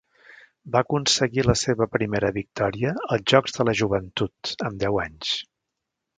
Va aconseguir la seva primera victòria als Jocs de la Joventut amb deu anys.